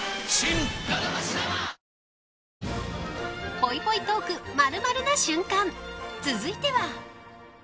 ぽいぽいトーク○○な瞬間続いては。